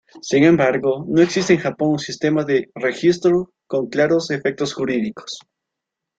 Sin embargo no existe en Japón un sistema de registro con claros efectos jurídicos.